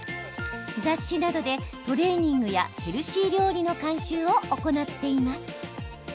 雑誌などでトレーニングやヘルシー料理の監修を行っています。